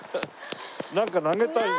なんか投げたいね